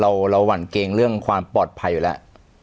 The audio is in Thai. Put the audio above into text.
เราหวั่นเกรงเรื่องความปลอดภัยอยู่แล้ว